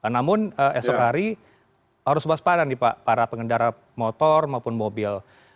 namun esok hari harus waspada nih pak para pengendara motor maupun mobil